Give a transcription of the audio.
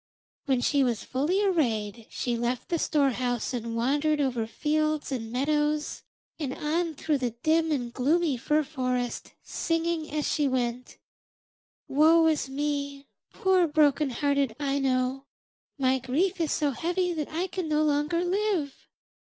When she was fully arrayed she left the storehouse and wandered over fields and meadows and on through the dim and gloomy fir forest, singing as she went: 'Woe is me, poor broken hearted Aino! My grief is so heavy that I can no longer live.